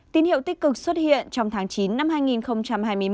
tín hiệu tích cực xuất hiện trong tháng chín năm hai nghìn hai mươi một